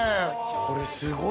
これすごいな。